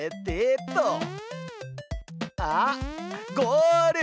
あっゴール！